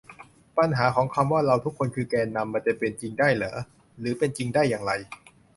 ปัญหาของคำว่า "เราทุกคนคือแกนนำ" มันจะเป็นจริงได้หรือ หรือเป็นจริงได้อย่างไร